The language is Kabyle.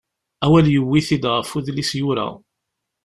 Awal yuwi-t-id ɣef udlis yura.